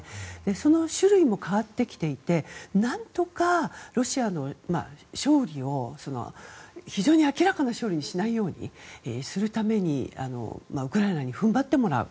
その種類も変わってきていてなんとかロシアの勝利を非常に明らかな勝利にしないようにするためにウクライナに踏ん張ってもらう。